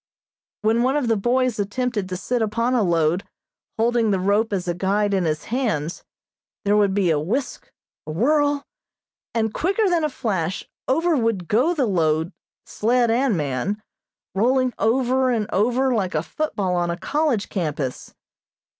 When one of the boys attempted to sit upon a load, holding the rope as a guide in his hands, there would be a whisk, a whirl, and quicker than a flash over would go the load, sled and man, rolling over and over like a football on a college campus.